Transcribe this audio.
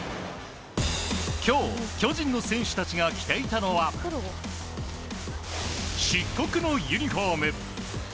今日、巨人の選手たちが着ていたのは漆黒のユニホーム。